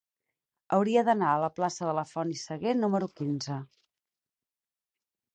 Hauria d'anar a la plaça de Font i Sagué número quinze.